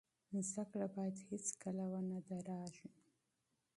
زده کړه باید هیڅکله ونه دریږي.